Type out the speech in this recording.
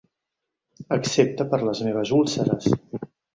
Excepte per les meves úlceres.